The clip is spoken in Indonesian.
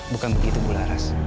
bukan begitu bu laras